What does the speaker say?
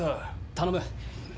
頼む。